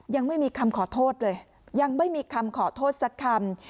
ยังไม่มีคำขอโทษเลยยังไม่มีคำขอโทษสักคำ